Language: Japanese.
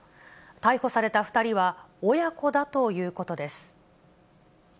逮捕された２人は、親子だということです。